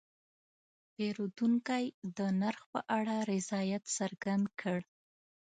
پیرودونکی د نرخ په اړه رضایت څرګند کړ.